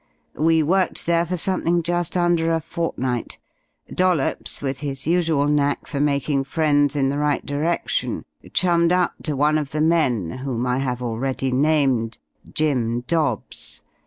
We worked there for something just under a fortnight. Dollops, with his usual knack for making friends in the right direction, chummed up to one of the men whom I have already named Jim Dobbs.